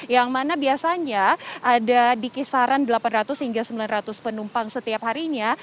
yang mana biasanya ada di kisaran delapan ratus hingga sembilan ratus penumpang setiap harinya